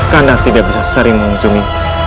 karena tidak bisa sering mengunjungi